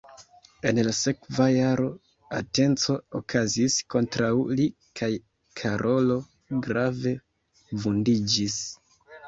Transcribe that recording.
En la sekva jaro atenco okazis kontraŭ li kaj Karolo grave vundiĝis.